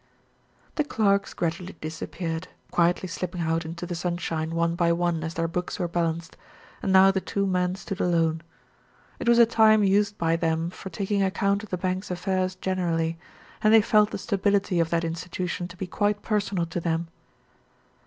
The clerks gradually disappeared, quietly slipping out into the sunshine one by one as their books were balanced, and now the two men stood alone. It was a time used by them for taking account of the bank's affairs generally, and they felt the stability of that institution to be quite personal to them.